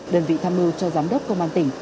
đơn vị tham mưu cho giám đốc công an tỉnh